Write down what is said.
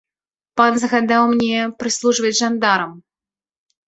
Пан загадаў мне прыслужваць жандарам.